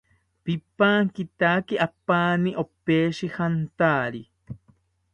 Pipankitaki apaani opeshi jantari